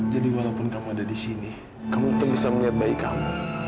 jadi walaupun kamu ada di sini kamu tetap bisa melihat bayi kamu